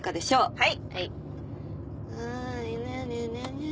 はい。